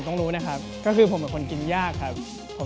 ตรงกันคะนึงอย่าง